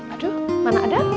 aduh mana ada